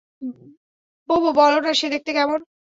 বোবো, বলনা, সে দেখতে কেমন?